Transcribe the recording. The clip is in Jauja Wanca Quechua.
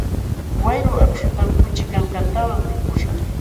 Wayru akśhutam kuchi kankantawan mikuśhaq.